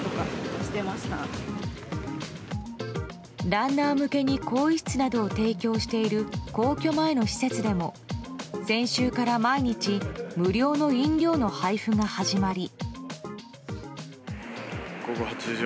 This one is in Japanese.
ランナー向けに更衣室などを提供している皇居前の施設でも先週から毎日無料の飲料の配布が始まり。